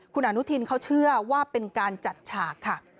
คุณอนุทินเขาเชื่อว่าเป็นการจัดฉากค่ะ